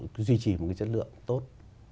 duy trì một cái chất lượng tốt